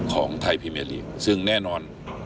ของไทยพี่มิลิธาสมัยซึ่งแน่นอน